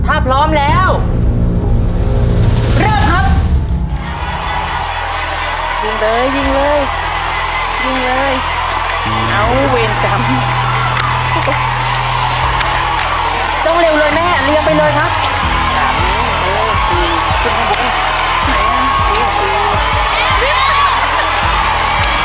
ถ้าพร้อมแล้วเริ่มครับ